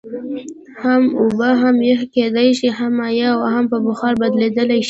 هو اوبه هم یخ کیدای شي هم مایع او هم په بخار بدلیدلی شي